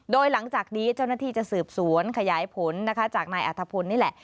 โดยหลังจากนี้เจ้าหน้าที่จะสืบสวนขยายผลนะคะจากนายอัธพลนี่แหละ